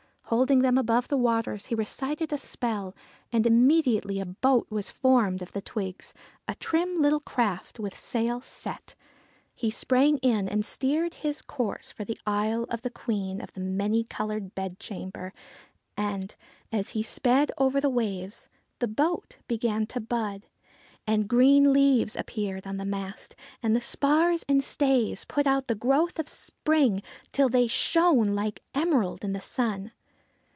Holding them above the waves, he recited a spell, and immediately a boat was formed of the twigs a trim little craft with sail set. He sprang in and steered his course for the isle of the Queen of the Many coloured Bedchamber. And, as he sped over the waves, the boat began to bud ; and green leaves appeared on the mast, and the spars and stays put out the growth of spring, till they shone like emerald in the sun.